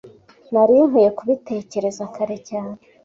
Nari nkwiye kubitekereza kare cyane